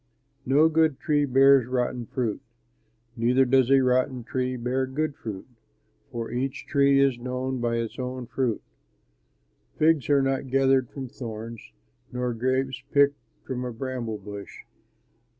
"No good tree bears rotten fruit; neither does a rotten tree bear good fruit; for each tree is known by its own fruit. Figs are not gathered from thorns, nor grapes picked from a bramble bush.